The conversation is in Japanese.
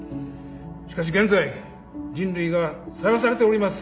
しかし現在人類がさらされております